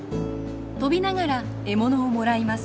飛びながら獲物をもらいます。